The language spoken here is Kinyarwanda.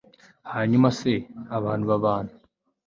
hanyuma se abantu babana